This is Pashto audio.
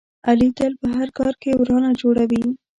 علي تل په هر کار کې ورانه جوړوي.